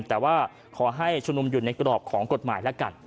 แต่ว่าขอให้ชุมนุมอยู่ในกรอบของกฎหมายแล้วกัน